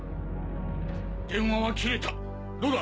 電話は切れたどうだ？